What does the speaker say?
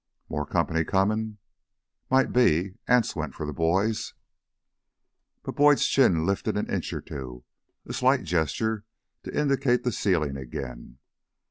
"More company comin'?" "Might be. Anse went for the boys." But Boyd's chin lifted an inch or two, a slight gesture to indicate the ceiling again.